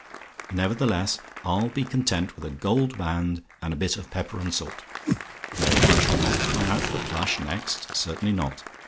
Nevertheless, I'll be content with a gold band, and a bit of pepper and salt. No: I shall not cry out for plush next; certainly not.